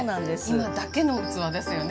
今だけの器ですよね。